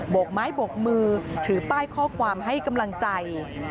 กไม้บกมือถือป้ายข้อความให้กำลังใจ